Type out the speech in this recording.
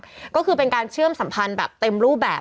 ก็คือเป็นการเชื่อมสัมพันธ์แบบเต็มรูปแบบ